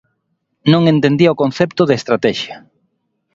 Non entendía o concepto de estratexia.